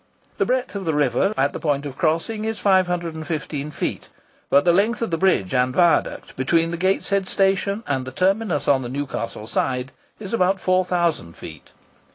The breadth of the river at the point of crossing is 515 feet, but the length of the bridge and viaduct between the Gateshead station and the terminus on the Newcastle side is about 4000 feet.